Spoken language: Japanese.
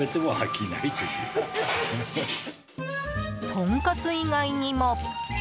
とんかつ以外にも。